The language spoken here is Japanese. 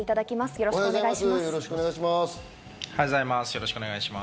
よろしくお願いします。